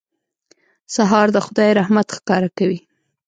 سهار د خدای رحمت ښکاره کوي.